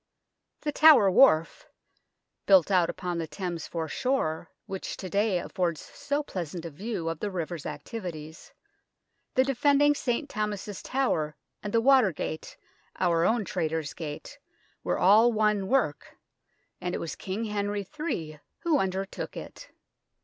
The Tower Wharf, built out upon the Thames foreshore, which to day affords so pleasant a view of the river's activities, the defending St. Thomas's Tower and the Water Gate our own Traitors' Gate were all one work, and it was King Henry III who under took it.